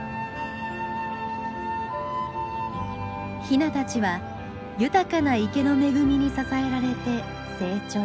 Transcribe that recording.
ヒナたちは豊かな池の恵みに支えられて成長。